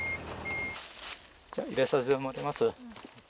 じゃあ入れさせてもらいます。